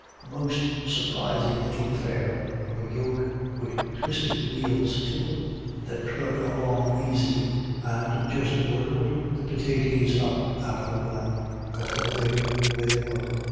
"A most surprisin' little affair of a yoke, wid twisted wheels to it, that dhrud along aisy, and just whirreld the pitaties up out o' the ground afore they knew where they were."